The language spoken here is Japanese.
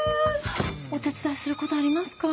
お手伝いすることありますか？